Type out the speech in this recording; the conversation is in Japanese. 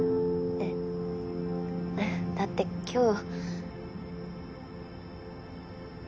えっだって今日。